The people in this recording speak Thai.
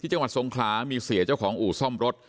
ที่จังหวัดทรงคลาเห็นเสียจ้อยของอู่ซ่อมรถ